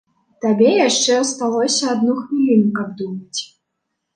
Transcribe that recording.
Табе яшчэ асталося адну хвіліну, каб думаць.